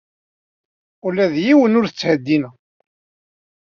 Ula d yiwen ur t-ttheddineɣ.